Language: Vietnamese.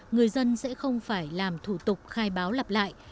người dân sẽ không phải làm thủ tục khai báo lặp lại